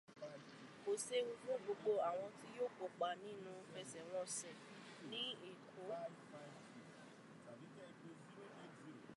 Kò séwu fún gbogbo àwọn tí yóò kópa nínú ìfẹsẹ̀wọnsẹ̀ ní Èkó.